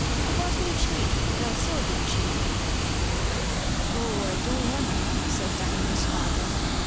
I bought him cheap, and I'll sell him cheap." "Oh, I don't want him," said Diamond's father.